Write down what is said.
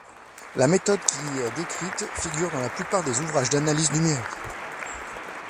La méthode qui y est décrite figure dans la plupart des ouvrages d'analyse numérique.